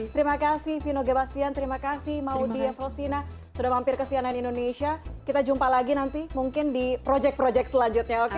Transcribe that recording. terima kasih vino gebastian terima kasih maudy falsina sudah mampir kesianan indonesia kita jumpa lagi nanti mungkin di project project selanjutnya oke